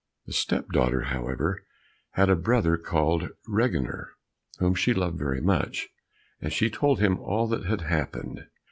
The step daughter, however, had a brother called Reginer, whom she loved much, and she told him all that had happened.